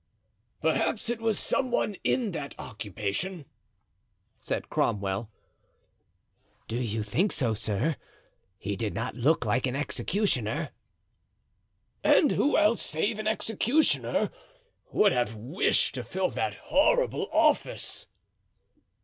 "Perhaps it was some one in that occupation," said Cromwell. "Do you think so, sir? He did not look like an executioner." "And who else save an executioner would have wished to fill that horrible office?"